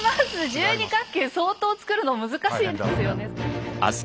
十二角形相当つくるの難しいですよね。